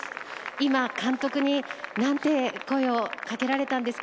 今、監督になんて声をかけられたんですか。